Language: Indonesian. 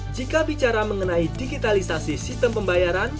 jika bicara mengenai digitalisasi sistem pembayaran